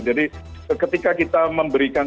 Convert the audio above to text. jadi ketika kita memberikan